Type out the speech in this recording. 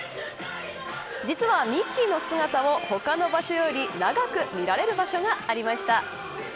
実はミッキーの姿を他の場所より長く見られる場所がありました。